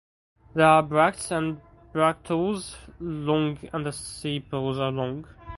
There are bracts and bracteoles long and the sepals are long.